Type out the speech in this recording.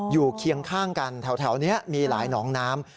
เคียงข้างกันแถวนี้มีหลายหนองน้ำ